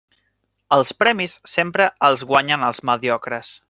Els premis sempre els guanyen els mediocres.